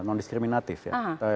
non diskriminatif ya